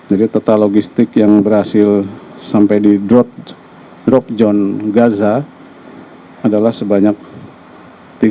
total logistik yang berhasil sampai di drop john gaza adalah sebanyak tiga ratus